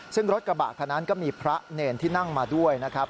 ซึ่งรถกระบะคันนั้นก็มีพระเนรที่นั่งมาด้วยนะครับ